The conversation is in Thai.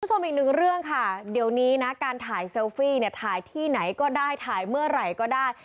คุณผู้ชมอีกหนึ่งเรื่องค่ะเดี๋ยวนี้นะการถ่ายเซลฟี่เนี่ยถ่ายที่ไหนก็ได้ถ่ายเมื่อไหร่ก็ได้